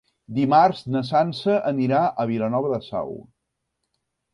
Dimarts na Sança anirà a Vilanova de Sau.